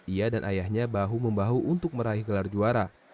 ia dan ayahnya bahu membahu untuk meraih gelar juara